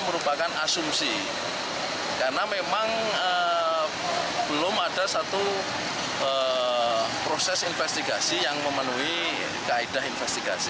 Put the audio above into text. merupakan asumsi karena memang belum ada satu proses investigasi yang memenuhi kaedah investigasi